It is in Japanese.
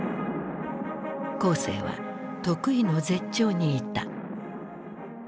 江青は得意の絶頂にいた。